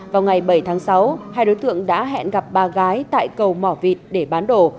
vào ngày bảy tháng sáu hai đối tượng đã hẹn gặp bà gái tại cầu mỏ vịt để bán đồ